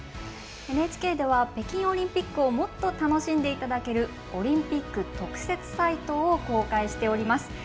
ＮＨＫでは北京オリンピックをもっと楽しんでいただけるオリンピック特設サイトを公開しています。